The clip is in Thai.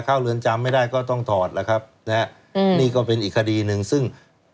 เรือนจำไม่ได้ก็ต้องถอดแล้วครับนะฮะอืมนี่ก็เป็นอีกคดีหนึ่งซึ่ง